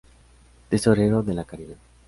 Tesorero de "La Caridad".